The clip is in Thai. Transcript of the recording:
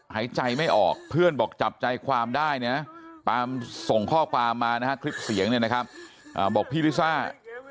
หายใจไม่ออกเพื่อนบอกจับใจความได้นะบอกพี่ฟินริซาหนู